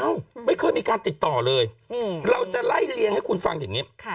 ไม่เคยมีการติดต่อเลยเราจะไล่เลี้ยงให้คุณฟังอย่างนี้